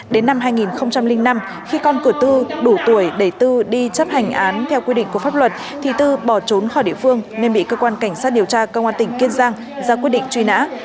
đến năm hai nghìn năm khi con cửa tư đủ tuổi để tư đi chấp hành án theo quy định của pháp luật thì tư bỏ trốn khỏi địa phương nên bị cơ quan cảnh sát điều tra công an tỉnh kiên giang ra quyết định truy nã